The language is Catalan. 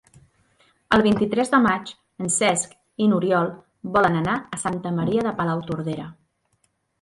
El vint-i-tres de maig en Cesc i n'Oriol volen anar a Santa Maria de Palautordera.